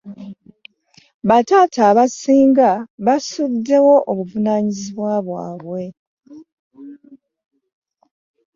Bataata abasinga basuddewo obuvunanyizibwa bwabwe.